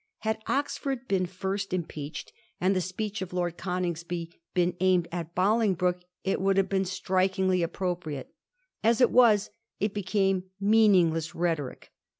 Had Oxford been first impeached and the speech of Lord Coningsby been aimed at Bolingbroke, it would have been strikingly appropriate ; as it was, it became meaningless rhetoric.